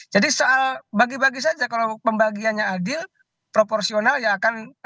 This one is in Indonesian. jadi soal bagi bagi saja kalau pembagiannya adil proporsional ya akan tidak akan ribut